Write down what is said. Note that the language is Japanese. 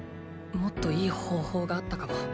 もっといい方法があったかも。